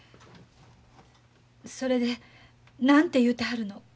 それで何て言うてはるの？